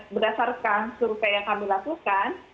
berdasarkan suruh saya yang kami lakukan